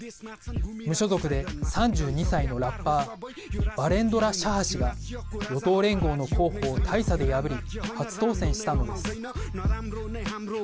無所属で３２歳のラッパーバレンドラ・シャハ氏が与党連合の候補を大差で破り初当選したのです。